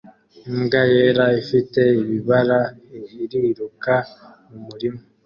Imbwa yera ifite ibibara iriruka mumurima